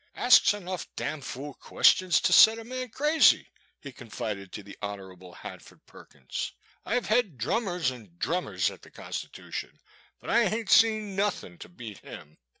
Asks enough damfool que estions t' set a man crazy," he confided to the Hon. Han ford Perkins ;I ' ve hed drummers an' drummers at the Constitooshun, but I h'aint seen nothin' tew beat him."